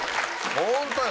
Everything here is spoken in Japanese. ホントよ！